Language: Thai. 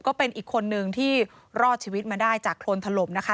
ก็เป็นอีกคนนึงที่รอดชีวิตมาได้จากโครนถล่มนะคะ